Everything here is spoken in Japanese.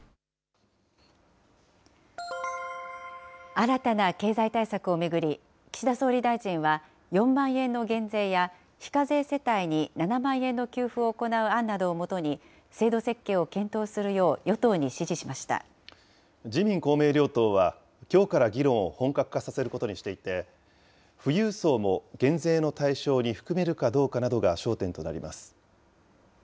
新たな経済対策を巡り、岸田総理大臣は４万円の減税や非課税世帯に７万円の給付を行う案などをもとに、制度設計を検討するよう、自民、公明両党はきょうから議論を本格化させることにしていて、富裕層も減税の対象に含めるかどうかなどが焦点となります。